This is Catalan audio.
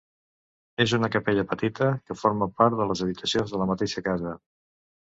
És una capella petita, que forma part de les habitacions de la mateixa casa.